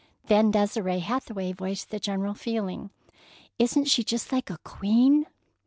Then Desire Hathaway voiced the general feeling: "Isn't she just like a queen?"